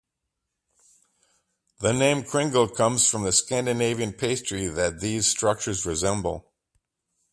The name Kringle comes from the Scandinavian pastry that these structures resemble.